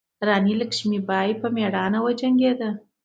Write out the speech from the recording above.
راني لکشمي بای په میړانه وجنګیده.